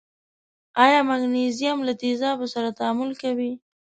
آیا مګنیزیم له تیزابو سره تعامل کوي؟